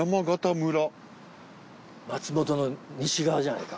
松本の西側じゃないか。